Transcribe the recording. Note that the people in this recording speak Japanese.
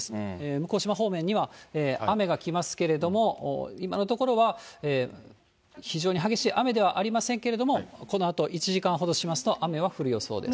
向島方面には雨が来ますけれども、今のところは非常に激しい雨ではありませんけれども、このあと１時間ほどしますと、雨は降る予想です。